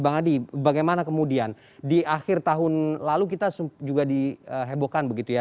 bang adi bagaimana kemudian di akhir tahun lalu kita juga dihebohkan begitu ya